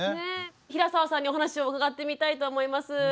平澤さんにお話を伺ってみたいと思います。